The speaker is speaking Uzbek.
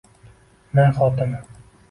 na xotini